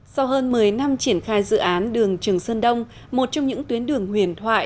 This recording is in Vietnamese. sau hơn một mươi năm triển khai dự án đường trường sơn đông một trong những tuyến đường huyền thoại